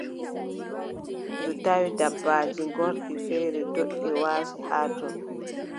Ndu tawi dabaaji ngorɗi feere ndoʼi, waati haa ton.